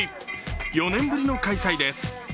４年ぶりの開催です。